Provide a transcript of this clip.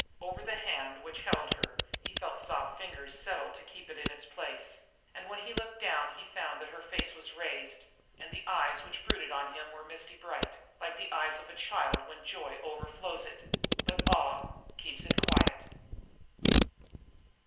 Over the hand which held her he felt soft fingers settle to keep it in its place, and when he looked down he found that her face was raised, and the eyes which brooded on him were misty bright, like the eyes of a child when joy overflows in it, but awe keeps it quiet.